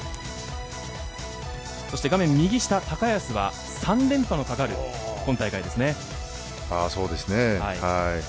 画面右下、高安は３連覇のかかるそうですね。